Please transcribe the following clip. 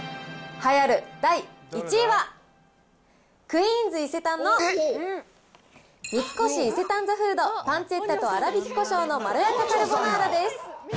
栄えある第１位は、クイーンズ伊勢丹の三越伊勢丹・ザ・フードパンチェッタと粗挽きこしょうのまろやかカルボナーラです。